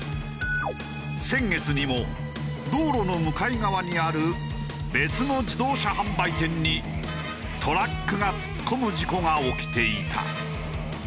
先月にも道路の向かい側にある別の自動車販売店にトラックが突っ込む事故が起きていた。